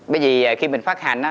bởi vì khi mình phát hành